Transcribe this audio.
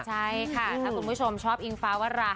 ใช่ค่ะถ้าคุณผู้ชมชอบอิงฟ้าวรา